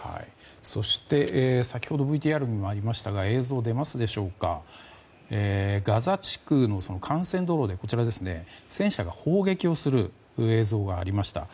そして、先ほどＶＴＲにもありましたがガザ地区の幹線道路で戦車が砲撃をする映像がありました。